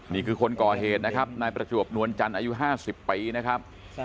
นี่คือคนก่อเหตุนะครับนายประจวบนวลจันทร์อายุ๕๐ปีนะครับ